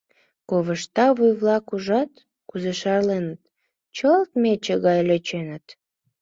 Ковышта вуй-влак ужат, кузе шарленыт, чылт мече гай лӧченыт.